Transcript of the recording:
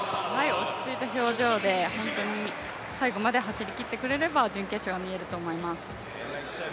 落ち着いた表情で最後まで走りきってくれれば準決勝は見えると思います。